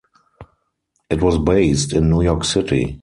It was based in New York City.